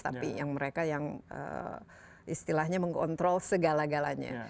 tapi yang mereka yang istilahnya mengontrol segala galanya